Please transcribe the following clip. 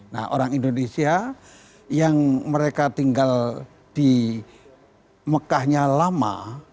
nah orang indonesia yang mereka tinggal di mekahnya lama